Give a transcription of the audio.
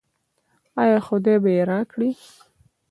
آیا خدای به یې راکړي؟